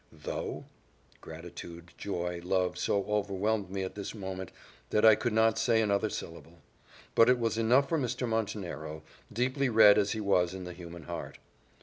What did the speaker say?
"Though" Gratitude, joy, love, so overwhelmed me at this moment, that I could not say another syllable; but it was enough for Mr. Montenero, deeply read as he was in the human heart.